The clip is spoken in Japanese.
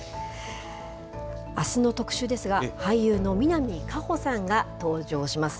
あすの特集ですが、俳優の南果歩さんが登場します。